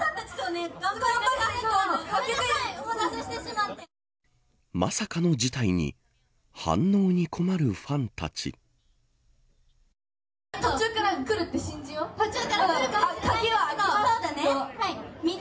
まさかの事態に反応に困るファンたち。